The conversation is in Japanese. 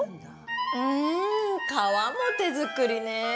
うん、皮も手作りね